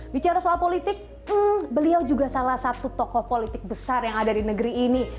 bicara soal politik beliau juga salah satu tokoh politik besar yang ada di negeri ini